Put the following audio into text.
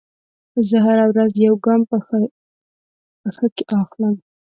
زه هره ورځ یو ګام په ښه کې اخلم.